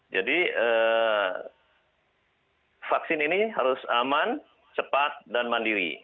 vaksin ini harus aman cepat dan mandiri